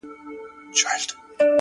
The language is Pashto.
خال دې په خيالونو کي راونغاړه”